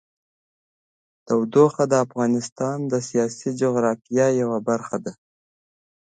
تودوخه د افغانستان د سیاسي جغرافیه یوه برخه ده.